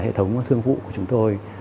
hệ thống thương vụ của chúng tôi